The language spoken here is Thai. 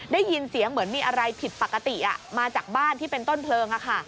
ได้ยินเสียงเหมือนมีอะไรผิดปกติมาจากบ้านที่เป็นต้นเพลิง